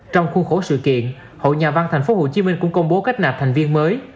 trong khu khổ sự kiện hội nhà văn thành phố hồ chí minh cũng công bố cách nạp thành viên mới